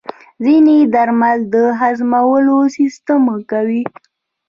ځینې درمل د هضمولو سیستم ښه کوي.